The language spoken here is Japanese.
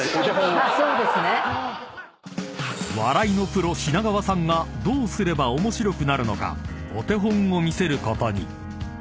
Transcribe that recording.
［笑いのプロ品川さんがどうすれば面白くなるのかお手本を見せることに］